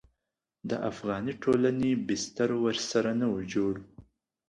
د افغاني ټولنې بستر ورسره نه و جوړ.